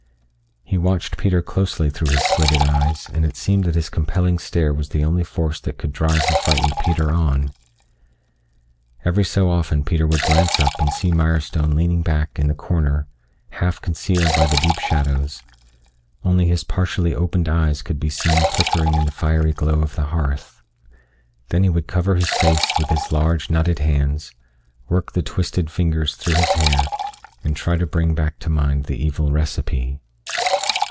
He watched Peter closely through his slitted eyes, and it seemed that his compelling stare was the only force that could drive the frightened Peter on. Every so often Peter would glance up and see Mirestone leaning back in the corner half concealed by the deep shadows only his partially opened eyes could be seen flickering in the fiery glow of the hearth. Then he would cover his face with his large, knotted hands, work the twisted fingers through his hair, and try to bring back to mind the evil recipe.